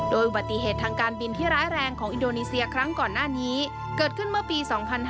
โดยอุบัติเหตุทางการบินที่ร้ายแรงของอินโดนีเซียครั้งก่อนหน้านี้เกิดขึ้นเมื่อปี๒๕๕๙